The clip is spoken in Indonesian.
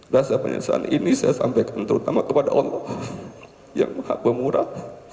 rasa penyesaan ini saya sampaikan terutama kepada allah yang maha pemurah